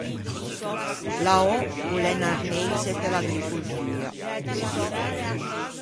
L’aò o l’é un arneise pe l’agricoltua.